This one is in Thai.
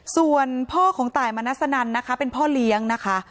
ส่วนพ่อของตายมนัสนันนะคะเป็นพ่อเลี้ยงนะคะ